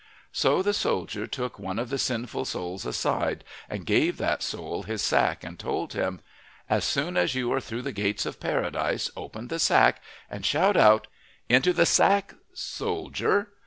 So the soldier took one of the sinful souls aside and gave that soul his sack, and told him: "As soon as you are through the gates of Paradise, open the sack and shout out "Into the sack, soldier!"